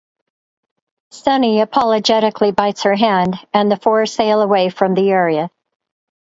Sunny apologetically bites her hand, and the four sail away from the area.